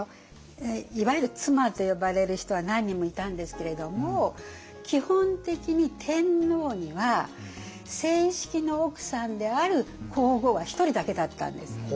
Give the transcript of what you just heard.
いわゆる妻と呼ばれる人は何人もいたんですけれども基本的に天皇には正式の奥さんである皇后は１人だけだったんです。